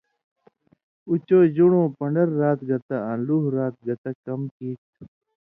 اُو چو ژن٘ڑُوں پن٘ڈر رات گتہ آں لُوہ رات گتہ کم کیریۡ تُھو۔